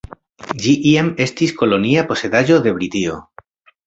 Ĝi iam estis kolonia posedaĵo de Britio.